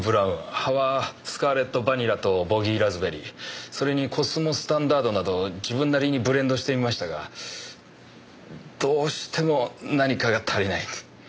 葉はスカーレット・バニラとボギー・ラズベリーそれにコスモ・スタンダードなど自分なりにブレンドしてみましたがどうしても何かが足りない。